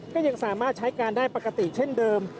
ก็ยังสามารถใช้การได้ปกติเช่นเดิม